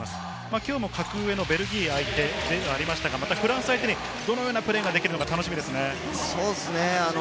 今日も格上のベルギー相手ではありましたが、フランス相手にどのようなプレーができるのか楽しみですよね。